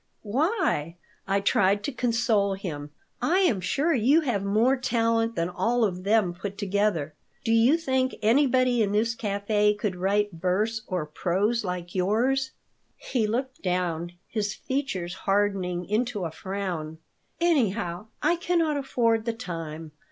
Why?" I tried to console him. "I am sure you have more talent than all of them put together. Do you think anybody in this café could write verse or prose like yours?" He looked down, his features hardening into a frown. "Anyhow, I cannot afford the time.